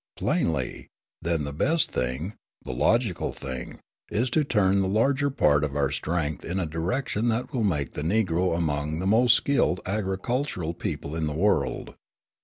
Plainly, then, the best thing, the logical thing, is to turn the larger part of our strength in a direction that will make the Negro among the most skilled agricultural people in the world.